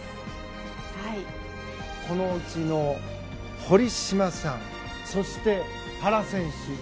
このうちの堀島さんそして原選手